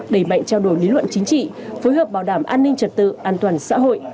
đẩy mạnh trao đổi lý luận chính trị phối hợp bảo đảm an ninh trật tự an toàn xã hội